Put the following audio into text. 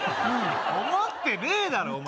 思ってねえだろお前